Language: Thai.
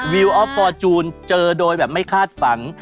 ออฟฟอร์จูนเจอโดยแบบไม่คาดฝัน